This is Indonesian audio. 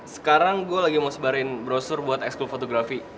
sekarang gue lagi mau sebarin brosur buat eksklu fotografi